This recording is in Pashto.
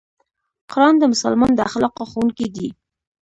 قرآن د مسلمان د اخلاقو ښوونکی دی.